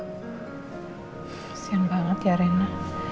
kasihan banget ya rena